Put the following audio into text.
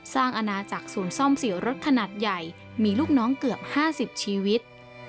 อาณาจักรศูนย์ซ่อมเสียวรถขนาดใหญ่มีลูกน้องเกือบ๕๐ชีวิต